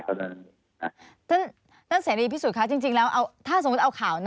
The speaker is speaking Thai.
นั่นใส่ใดดีแพรี่สุดค่ะจริงแล้วถ้าสมมติเอาข่าว